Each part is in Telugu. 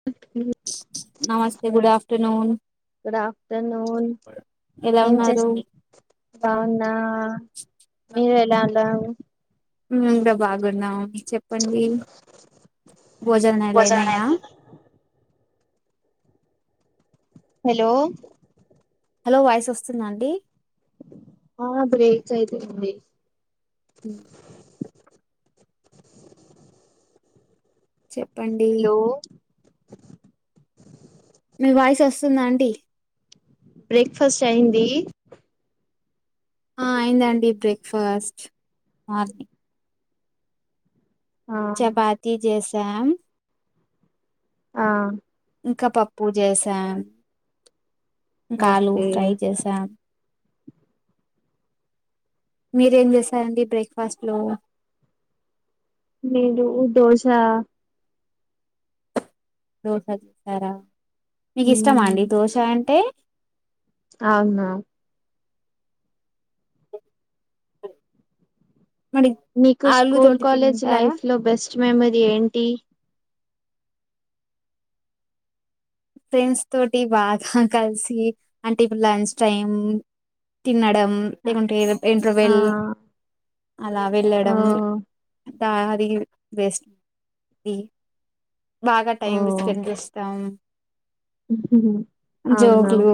[inaudible] నమస్తే గుడ్ ఆఫ్టర్నూన్ గుడ్ ఆఫ్టర్నూన్ ఎలా ఏం ఉన్నారు చేస్త్ బావున్నా మీరేలా లావు మేం గూడ బాగున్నాం చెప్పండి భోజనాలు అయినాయా. హలో హలో వాయిస్ వస్తుందా అండి అవును బ్రేక్ చయితుంద్ది ఉ చెప్పండి హలో మీ వాయిస్ వస్తుందా అండి బ్రేక్ ఫాస్ట్ అయింది ఆ అయిందండి బ్రేక్ ఫాస్ట్ మార్ని ఆ చపాతి చేసాం ఆ ఇంకా పప్పు చేసాం ఇంకా ఆలు ఓకే ఫ్రై చేసాం మీరేం చేసారండి బ్రేక్ ఫాస్ట్లో నేనూ దోశా దోశ చేసారా మీకిష్టమా మ్మ్ అండి దోశ అంటే అవునా మరి మీకు ఆలు స్కూల్ తోటి కాలేజ్ తింటారా లైఫ్ లో బెస్ట్ మెమరీ ఏంటి ఫ్రెండ్స్ తోటి బాగా కలిసి అంటె ఇప్పుడు లంచ్ టైమ్ తినడం లేకుంటే ఎదొ ఆ ఎంట్రోబేల్ అలా ఓ వెళ్ళడం తా అది బెస్ట్ ది బాగా ఓ టైం స్పెండ్ చేస్తాం అవునా జోకులు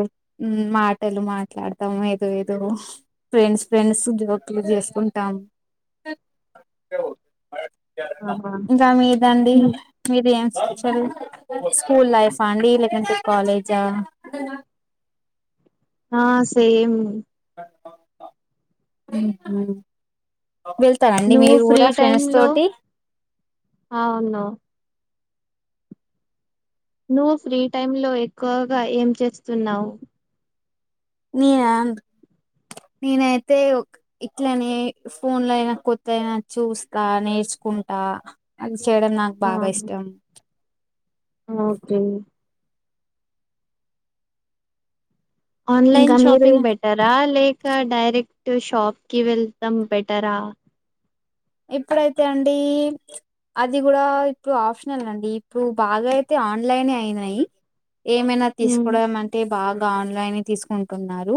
ఉమ్ మాటలు మాట్లాడతం ఏదో ఏదో ఫ్రెండ్స్ ఫ్రెండ్స్ జోకులు జేసుకుంటాం ఆహా ఇంకా మీదండి మీరు ఏం చదువు స్కూల్ లైఫ్ ఫా అండి లేకుంటే కాలేజా హా సేమ్ మ్ హు వెళ్ తరా అండి నువ్వు మీరు గూడ ఫ్రీ టైమ్ ఫ్రెండ్స్ లో తోటి అవును నువ్వు ఫ్రీ టైం లో ఎక్కువగా ఏం చేస్తున్నవ్ నేనా నేనైతే ఒక్ ఇట్లనే ఫోన్ ల ఎదన కొత్త దేదయిన చూస్తా నేర్చుకుంటా డాన్స్ చేయడం నాకు ఆ బాగా ఇష్టం ఓకే ఇంకా ఆన్లైన్ మీరు షాపింగ్ బెటరా లేక డైరెక్ట్ షాప్కి వెళ్టం బెటరా ఇప్పుడైతే అండీ అది గూడా ఇప్పుడు ఆప్షనల్ అండి ఇప్పుడు బాగైతే ఆన్లైనే అయినయి ఏమైనా ఉమ్ తీస్కోడమంటే బాగా ఆన్లైన్ ఏ తీస్కుంటున్నారు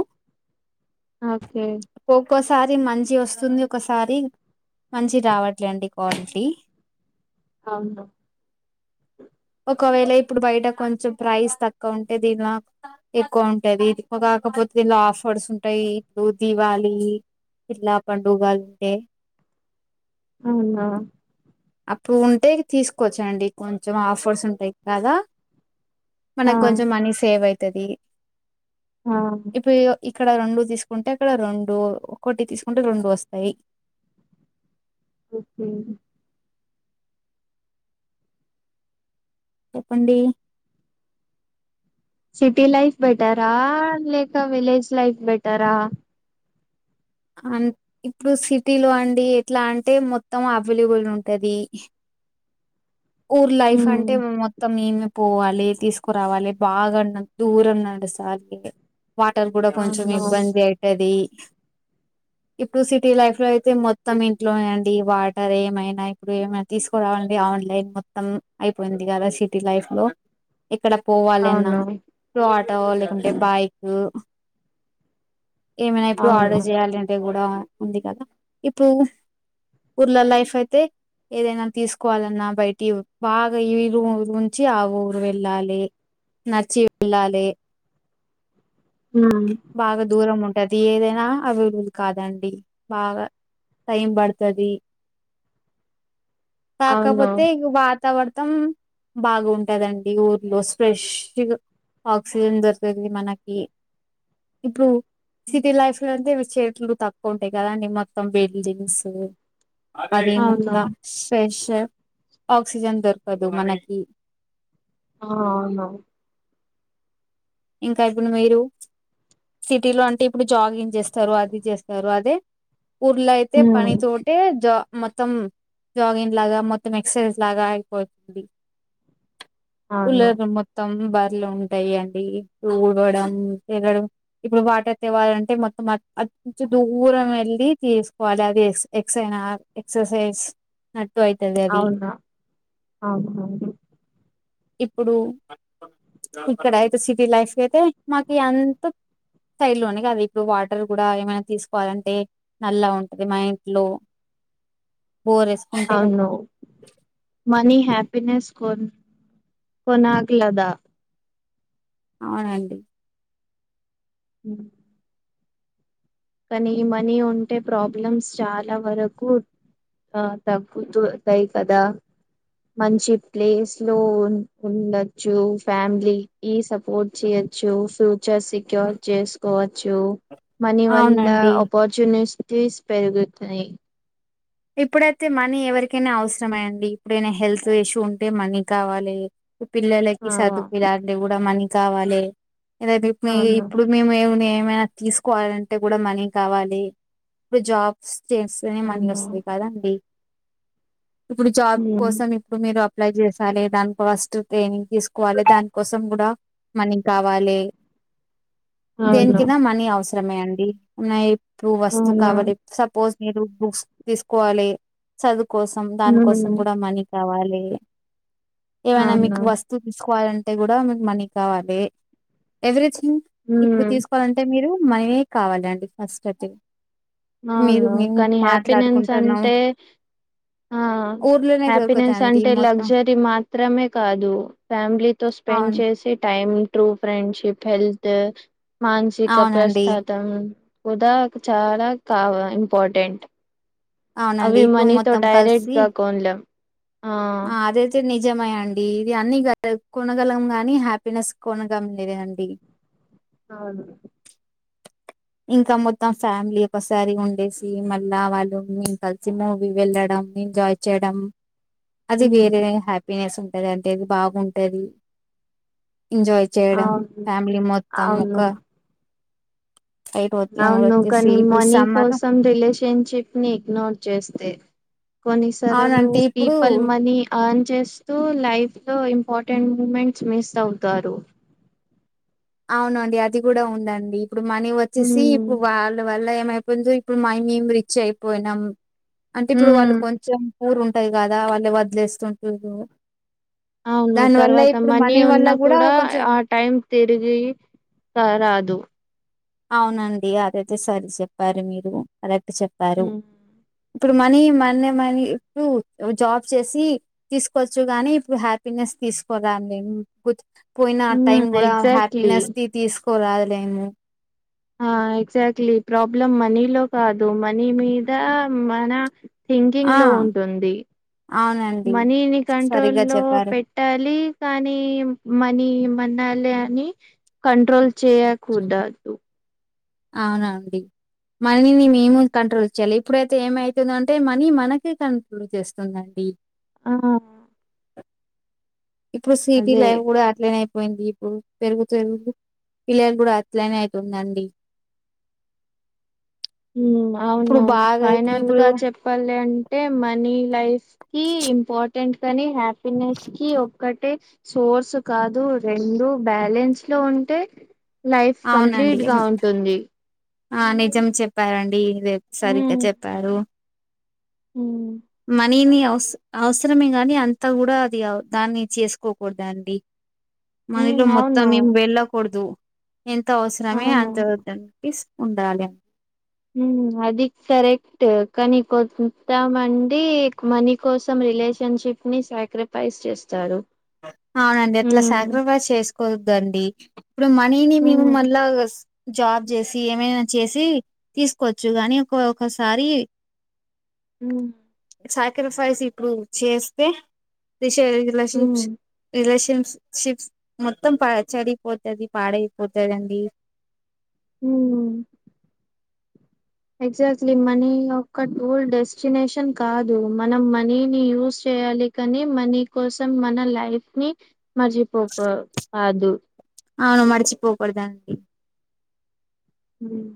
ఓకే ఒక్కోసారి మంచిగొస్తుంది ఒకసారి మంచిది రావట్లే అండి క్వాలిటీ అవును ఒకవేళ ఇప్పుడు బైట కొంచెం ప్రైస్ తక్కువుంటే దీనాక్ ఎక్కువ వుంటది ఇది ఎక్కువ కాకపోతె దీన్లో ఆఫర్స్ ఉంటయి ఇప్పుడు దీవాళి ఇట్లా పండుగా ఉంటే అవునా అప్పుడు వుంటే తీస్కోచ్చండి కొంచెం ఆఫర్స్ ఉంటయ్ కదా ఆ మనక్ కొంచం మనీ సేవ్ ఐతది ఆహ ఇప్పుడు ఇగ ఇక్కడ రొండు దీస్కుంటే అక్కడ రొండు ఒకటి తీస్కుంటే రొండు ఒస్తయ్ ఉమ్ హూ చెప్పండి సిటీ లైఫ్ బెటరా లేక విలేజ్ లైఫ్ బెటరా అన్ ఇప్పుడు సిటీ లో అండి ఎట్లా అంటే మొత్తం అవిలుబుల్ ఉంటది ఊర్ లైఫ్ ఉమ్ అంటే మొత్తం ఏమి పోవాలే తీస్కురావాలే బాగన్న దూరం నడుసాలీ వాటర్ గూడా కొంచెం అవును ఇబ్బంది అయితది ఇప్పుడు సిటీ లైఫ్ లో అయితే మొత్తం ఇంట్లోనే అండి వాటర్ ఏమైనా ఇప్పుడు ఏమై. తీస్కురావాలంటే ఆన్లైన్ మొత్తం అయిపోయింది గదా సిటీ లైఫ్ లో. ఎక్కడ పోవాలెన్నా. అవును ఇప్పుడు ఆటో లేకుంటే బైకు ఏమైనా ఇప్పుడు అవును ఆడ. చేయాలంటే గుడా అ ఉంది కదా ఇప్పు ఊరల్లా లైఫైతే. ఏదైనా తీస్కోవాలన్నా బైటి బాగా ఈరు ఊరుంచి ఆ ఊరు వెళ్ళాలే. నడ్చి వెళ్ళాలే. హుమ్. బాగా దూరం ఉంటది ఏదైనా. అవైబుల్ కాదండి బాగా టైం బడ్తాది. అవును కాకపోతే ఇగ వాతావర్తం. బాగుంటదండి ఊర్లో స్ప్రెష్ గ. ఆక్సిజన్ దొరుతది మనకి ఇప్పుడు సిటీ లైఫ్. తందిమ చేట్లు తక్కువుంటై కదండి మొత్తం బిల్డింగ్సు ఉ. అవును మదేముంతా స్పేష్ ఏ ఆక్సిజన్ దొర్కదు మనకి. ఆ ఔను. ఇంకా ఇప్పుడు మీరు సిటీ లో అంటే ఇప్పుడు జాగింగ్ జేస్తారు అది జేస్తారు అదే. ఊర్లో అయితే ఉమ్ పని తో. అంటే జా మొత్తం ఉ జాగింగ్ లాగా మొత్తం ఎక్ససైజ్ లాగా అయిపోయింది. అవును ఊల్లల మొత్తం బర్లుంటయండి. ఊడ్వడం తినుడు. ఇప్పుడు వాటర్ తేవాలంటే మొత్తం అట్ అట్ నుంఛీ దూరం ఏళ్ళి తీస్కోవాలి అది ఎ ఎక్స్ అయినా. ఎక్ససైస్ నట్టు ఐతదదీ. అవును అవును ఇప్పుడు ఇక్కడైతే సి. టీ లైఫ్ కైతే మాకీ అంత. సైడ్ లోనే గాదు ఇప్పుడు వాటర్ గుడా ఏమైనా తీస్కోవాలంటే. నల్లా ఉంటది మా ఇంట్లో బోరేస్. ఔను. మనీ హ్యాపినెస్ కొ కొన్న అంటివి గద. అవునండి. ఉమ్. కానీ మనీ ఉంటే ప్రాబ్లమ్స్ చాలా వరకు. ఆ తగ్గుతు తయి కదా. మంచి ప్లేస్ లో ఉ ఉండొచ్చు ఫ్యామిలీ. ఈ సపోర్ట్ చేయచ్చు ఫ్యూచర్ సెక్యూర్ చేసుకోవచ్చు మనీ వల్. అవునండి ఆపర్చునిస్టీస్ పెరుగుతాయి. ఇప్పుడైతే మనీ ఎవరికైనా అవసరమండి ఇప్పుడైనా హెల్త్ ఇష్యూ ఉంటే మనీ కావాలే. పిల్లలకి ఆ సదుపియాలంటే గూడా మనీ కావాలే ఎదైనా ఉప్మి అవును ఇప్పుడు. మేము ఏమ ఏమైనా తీసుకోవాలంటే గూడా మనీ కావాలి ఇప్పుడు జాబ్స్ చేస్. ఎప్పుడైనా మనీ ఓ అవునా ఆస్తుండి కదండి ఇప్పుడు జాబ్ ఉమ్ కోసం ప్పుడు మీరు అప్లై చేసాలి దాని ఫస్ట్ ట్రైనింగ్ తీసుకోవాలి దానికోసం గూడా. మనీ కావాలే. అవును దేనికకైనా మనీ అవసరమే అండి నాయ్ ఇప్పుడు వస్తువు అవునా కావాలే. సపోజ్ మీరు బుక్స్ తీసుకోవాలే చదువుకోసం దాని ఉమ్ కోసం గూడా మనీ. కావాలే ఏవైనా అవును మీకు వస్. తీసుకోవాలంటే కూడా మీకు మనీ కావాలి ఎవ్రీథింగ్ ఇప్పుడు ఉమ్ తీసు కోవాలంటే మీరు మనియే కావాలండి ఫస్ట్ అయితే మీరు అవును మేము కానీ హ్యాపీనెన్స్ మాట్లాడుకుంటున్నాం. అంటే ఆ ఊర్లోనే హ్యాపీనెస్ దొరుకుతాయండి అంటే మొత్తం లగ్జరీ మాత్రమే కాదు ఫ్యామిలీతో స్పెండ్ అవును చే టైం ట్రూ ఫ్రెడ్షిప్ హెల్త్ మానసిక ప్రస్త అవునండి మొత్తం ఉదాక్ చాలా కావ ఇంపార్టెంట్ అవునండి అవి ఇప్పుడు మనీతో మొత్తం కలిసి డైరెక్ట్గా కోనలేం ఆ అదేద్ నిజమే అండి ఇది అన్ని కొనగలం గాని హ్యాపీనెస్ కొనగంలేదండి అవును ఇంకా మొత్తం ఫ్యామిలీ ఒకసారి ఉండేసి మళ్ళా వాళ్ళుం కలిసి మూవీ వెళ్ళడం ఎంజాయ్ చేయడం అది ఉమ్, వేరే హ్యాపీనెస్ ఉంటది అంటే అది బాగుంటది ఎంజాయ్ చేయడం అవును ఫ్యామిలీ మొత్తం ఒక అవును సైట్ అవును వచ్చేసి కని ఇప్పుడు మనీ సమ్మర్ కోసం రిలేషన్ ఫ్రెంషిప్ ని ఇగ్నోర్ చేస్తే కొన్నిసార్లు అవునంటే ఇప్పుడు పీపల్ మనీ అర్న్ చేస్తూ లైఫ్ లో ఇంపార్టెంట్ మూమెంట్స్ మిస్ అవుతారు అవునండి అది కూడా ఉందండి ఇప్పుడు మనీ వచ్చేసి ప్పు హ్మ్ వాళ్ళ వల్ల ఏమైపోయిందో ఇప్పుడు మై మేం రిచ్ అయిపోయినాం అంటే ఇప్పుడు వాళ్ళు హ్మ్ కొంచెం పూరు ఉంటది కదా వాళ్ళే వదిలేస్తుంటురు అవును తర్వాత మనీ వల్ల ఉన్నా కూడా కొంచెం ఆ టైం తిరిగి రా రాదు అవునండి అదైతే సరి చెప్పారు మీరు అదైతే చెప్పారు హ్మ్ ఇప్పుడు మనీ మనే మనీ ఇప్పుడు జాబ్ చేసి తీసుకోవచ్చు గానీ ఇప్పుడు హ్యాపీనెస్ తీసుకోరలేం కుద్ పోయిన ఆ హ్మ్ టైం కూడా ఎగ్జాక్ట్లీ హ్యాపీనెస్ ని తీసుకోరాలేము ఆ ఎగ్జాక్ట్లీ ప్రాబ్లం మనీలో కాదు మనీ మీద మన థింకింగ్ ఆ లో ఉంటుంది అవునండి మనీని కంట్రోల్ సరిగ్గా లో చెప్పారు. పెట్ ట్టాలి కానీ మనీ మనాలని కంట్రోల్ చేయకూడదు అవునాండి మనీని మేము కంట్రోల్ చేయాలి ఇప్పుడైతే ఏమైతుందంటే మనీ మనకి కంట్రోల్ ఇప్పుడు చేస్తుందండి ఆ ఇప్పుడు సిటీ అదే లైఫ్ కూడా అట్లనే పోయింది ఇప్పుడు పెరుగుతరు ఈల కూడా అట్లనే అవుతుందండి ఇప్పుడు అవును బాగా ఇప్పుడు ఫైనల్ ఇప్పుడు గా చెప్పాలి అంటే మనీ లైఫ్ కి ఇంపార్టెంట్ కానీ హ్యాపీనెస్ కి ఒక్కటే సోర్స్ కాదు రెండు బ్యాలెన్స్ లో ఉంటే లైఫ్ అవునండి కంప్లీట్ గా ఉంటుంది ఆ నిజం చెప్పారండి ఇదేప్ సరిగ్గా చెప్పారు ఊ మనీని అవస అవసరమే గాని అంతా కూడా అది దాన్ని చేసుకోకూడదండి హ్మ్. మనీలో మొత్తం అవును. మేము వెళ్ళకూడదు ఎంత అవసరమే అవును. అంత వద్దండి ఇస్ ఉండాలే అది కరెక్ట్ కానీ కొంత మంది మనీ కోసం రిలేషన్షిప్ని సాక్రిఫైస్ చేస్తారు అవునండి అట్ల హ్మ్. సరిఫీస్ చేసుకోవద్దండి ఇప్పుడు మనీని మేము హ్మ్. మళ్ళా జాబ్ చేసి ఏమైనా చేసి తీసుకోచ్చు గాని ఒక్కక్కసారి ఉమ్ సాక్రిఫైస్ ఇప్పుడు చేస్తే రెస్లామ్స్ హ్మ్. రిలేషన్ షిప్స్ మొత్తం చడిపోతుంది పాడైపోతుందిండి ఉమ్ ఎగ్జాక్ట్లీ మనీ ఒకయక్క టూర్ డెస్టినేషన్ కాదు మనం మనీని యాస్ చేయాలి కానీ మనీ కోసం మన లైఫ్ ని మర్చిపోక కాదు అవును మరచిపోకూడదండి ఉమ్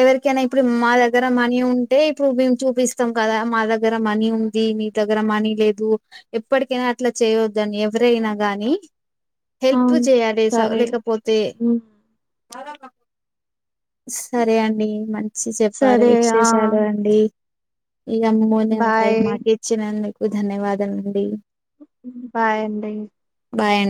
ఎవరికైనా ఇప్పుడు మా దగ్గర మనీ ఉంటే ఇప్పుడు మేము చూపిస్తాం కదా మా దగ్గర మనీ ఉన్ ది మీ దగ్గర మనీ లేదు ఎప్పటికైనా అట్లా చేయొద్దని ఎవరైనా గాని హెల్ప్ అవును చేయాలి స సరే లేకపోతే ఉమ్. సరే అండి మంచి చెప్పారు సరే ఆ విశేషాలు అండి ఇగ అమూల్యమైన టైం బాయ్ మాకిచ్చినందుకు ధన్యవాదం అండి బాయ్ అండి బాయ్ అండి